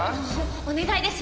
お願いです。